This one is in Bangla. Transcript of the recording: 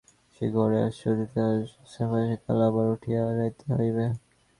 এ ঘরে আজ সে অতিথিমাত্র–আজ স্থান পাইয়াছে, কাল আবার উঠিয়া যাইতে হইবে।